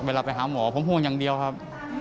เวลาไปหาหมอผมห่วงอย่างเดียวครับ